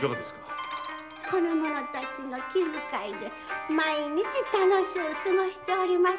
この者たちの気遣いで毎日楽しゅう過ごしております。